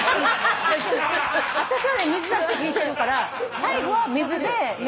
私はね水だって聞いてるから最後は水で冷たい水で